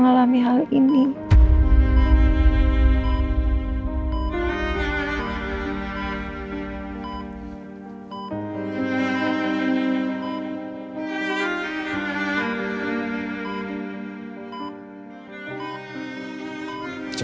kalau mak suaminya ikut kerjin